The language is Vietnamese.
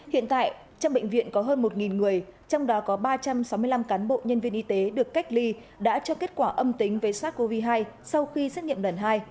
hiện tại trong bệnh viện có hơn một người trong đó có ba trăm sáu mươi năm cán bộ nhân viên y tế được cách ly đã cho kết quả âm tính với sars cov hai sau khi xét nghiệm lần hai